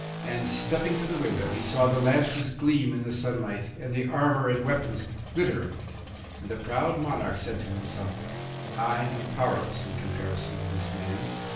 And, stepping to the window, he saw the lances gleam in the sunlight and the armour and weapons glitter. And the proud monarch said to himself, 'I am powerless in comparison with this man.